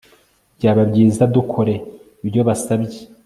Byaba byiza dukore ibyo basabye